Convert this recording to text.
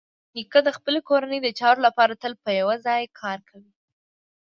نیکه د خپلې کورنۍ د چارو لپاره تل په یوه ځای کار کوي.